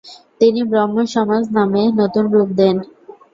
তিনি ব্রাহ্মসমাজ নামে নতুন রূপ দেন।